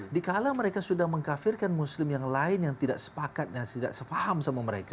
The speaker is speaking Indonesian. di kala mereka sudah mengkafirkan muslim yang lain yang tidak sepakat yang tidak sepaham sama mereka